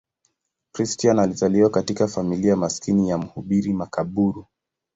Christian alizaliwa katika familia maskini ya mhubiri makaburu.